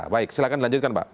baik silakan dilanjutkan pak